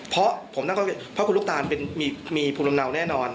เพราะคุณลูกตาลมีภูมิลำเนาแน่นอน